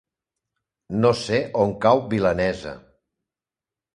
No sé on cau Vinalesa.